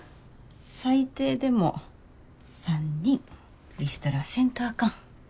最低でも３人リストラせんとあかん。